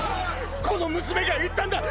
この娘が言ったんだ！